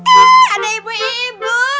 eh ada ibu ibu